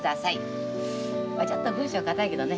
ちょっと文章硬いけどね